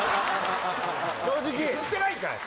正直言ってないんかい！